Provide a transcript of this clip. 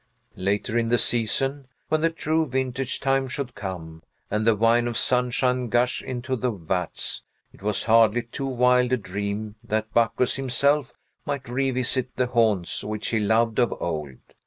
Later in the season, when the true vintage time should come, and the wine of Sunshine gush into the vats, it was hardly too wild a dream that Bacchus himself might revisit the haunts which he loved of old.